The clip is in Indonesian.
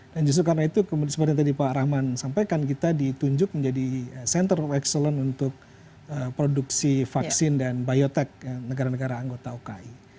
dan justru karena itu seperti yang tadi pak rahman sampaikan kita ditunjuk menjadi center of excellence untuk produksi vaksin dan biotek negara negara anggota uki